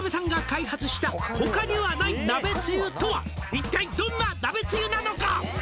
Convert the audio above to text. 「一体どんな鍋つゆなのか？」